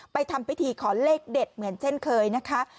ทำพิธีขอเลขเด็ดเหมือนเช่นเคยนะคะ